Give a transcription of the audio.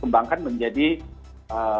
kembangkan menjadi eee